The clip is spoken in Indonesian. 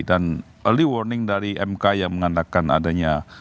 dan early warning dari mk yang mengandalkan adanya